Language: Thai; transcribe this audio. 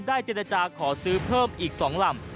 เจรจาขอซื้อเพิ่มอีก๒ลำ